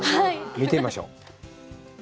見てみましょう。